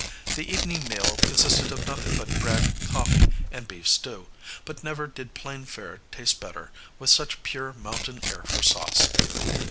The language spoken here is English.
The evening meal consisted of nothing but bread, coffee, and beef stew, but never did plain fare taste better, with such pure mountain air for sauce.